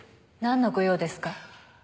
なんのご用ですか？